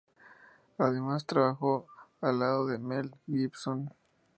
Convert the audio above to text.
Además trabajó al lado de Mel Gibson.